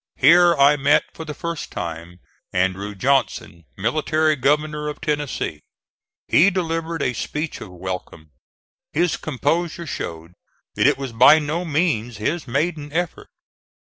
Here I met for the first time Andrew Johnson, Military Governor of Tennessee. He delivered a speech of welcome. His composure showed that it was by no means his maiden effort.